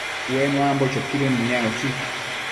Ue nuambo choquidën mëyanoshi